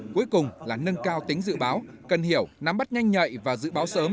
cuối cùng là nâng cao tính dự báo cần hiểu nắm bắt nhanh nhạy và dự báo sớm